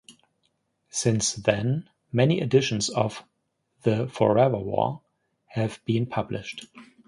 Since then, many editions of "The Forever War" have been published.